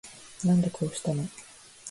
なんでこうしたの